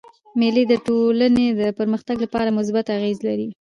مېلې د ټولني د پرمختګ له پاره مثبت اغېز لري.